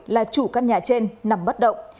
là chủ căn nhà trên nằm bất động